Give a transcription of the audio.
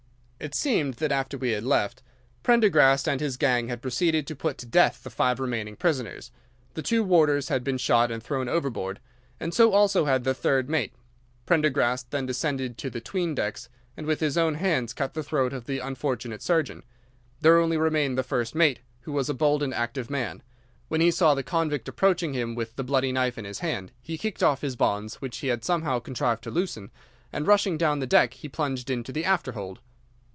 "'It seemed that after we had left, Prendergast and his gang had proceeded to put to death the five remaining prisoners. The two warders had been shot and thrown overboard, and so also had the third mate. Prendergast then descended into the 'tween decks and with his own hands cut the throat of the unfortunate surgeon. There only remained the first mate, who was a bold and active man. When he saw the convict approaching him with the bloody knife in his hand he kicked off his bonds, which he had somehow contrived to loosen, and rushing down the deck he plunged into the after hold.